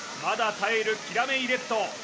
まだ耐えるキラメイレッド